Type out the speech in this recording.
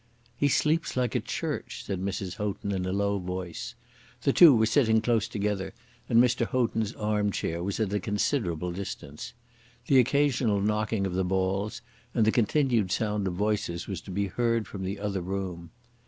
"He sleeps like a church," said Mrs. Houghton, in a low voice. The two were sitting close together and Mr. Houghton's arm chair was at a considerable distance. The occasional knocking of the balls, and the continued sound of voices was to be heard from the other room.